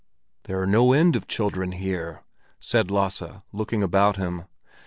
"There are no end of children here," said Lasse, looking about him.